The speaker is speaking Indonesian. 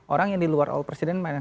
orang yang di luar all president mana